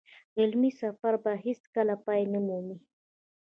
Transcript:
علمي سفر به يې هېڅ کله پای نه مومي.